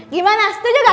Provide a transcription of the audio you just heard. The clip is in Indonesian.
gimana setuju gak